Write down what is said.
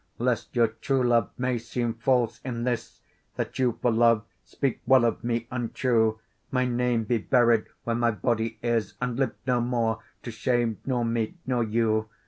lest your true love may seem false in this That you for love speak well of me untrue, My name be buried where my body is, And live no more to shame nor me nor you.